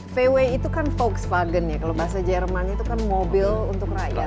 vw itu kan fox fagen ya kalau bahasa jerman itu kan mobil untuk rakyat